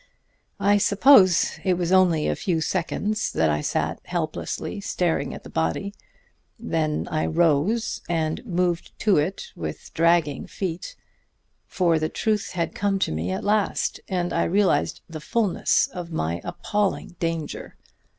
"I suppose it was only a few seconds that I sat helplessly staring at the body. Then I rose and moved to it with dragging feet; for now the truth had come to me at last, and I realized the fullness of my appalling danger.